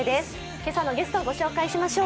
今朝のゲストを御紹介しましょう。